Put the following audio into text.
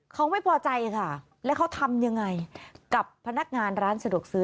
เขาไม่พอใจค่ะแล้วเขาทำยังไงกับพนักงานร้านสะดวกซื้อ